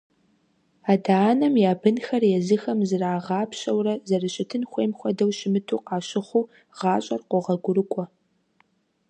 Адэ-анэм я бынхэр езыхэм зрагъапщэурэ, зэрыщытын хуейм хуэдэу щымыту къащыхъуу гъащӀэр къогъуэгурыкӀуэ.